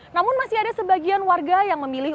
namun masih ada sebagian warga yang memilih